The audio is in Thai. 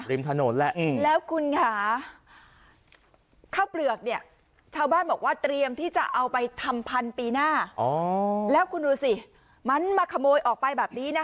ริมถนนแหละแล้วคุณค่ะข้าวเปลือกเนี่ยชาวบ้านบอกว่าเตรียมที่จะเอาไปทำพันธุ์ปีหน้าแล้วคุณดูสิมันมาขโมยออกไปแบบนี้นะคะ